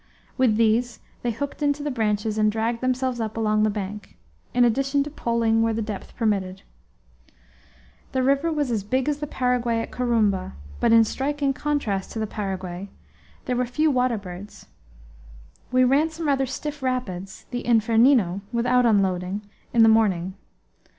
With these they hooked into the branches and dragged themselves up along the bank, in addition to poling where the depth permitted it. The river was as big as the Paraguay at Corumba; but, in striking contrast to the Paraguay, there were few water birds. We ran some rather stiff rapids, the Infernino, without unloading, in the morning.